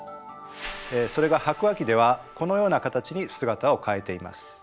それが白亜紀ではこのような形に姿を変えています。